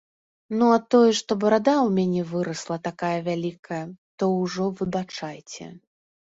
Ну, а тое, што барада ў мяне вырасла такая вялікая, то ўжо выбачайце!